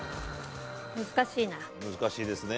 難しいですね。